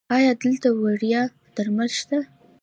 ایا دلته وړیا درمل شته؟